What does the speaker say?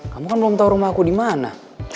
kamu kan belum tau rumah aku dimana